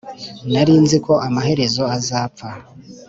nari nzi ko amaherezo azapfa